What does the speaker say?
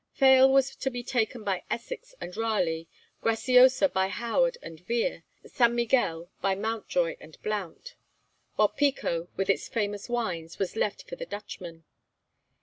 Fayal was to be taken by Essex and Raleigh, Graciosa by Howard and Vere, San Miguel by Mountjoy and Blount, while Pico, with its famous wines, was left for the Dutchmen.